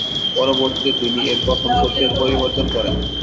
পরবর্তীতে তিনি এর প্রথম সূত্রের পরিবর্তন করেন।